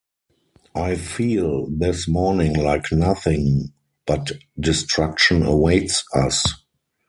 I feel this morning like nothing but destruction awaits us.